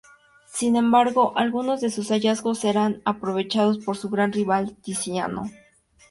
Sin embargo, algunos de sus hallazgos serán aprovechados por su gran rival, Tiziano.